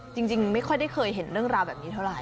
จริงไม่ค่อยได้เคยเห็นเรื่องราวแบบนี้เท่าไห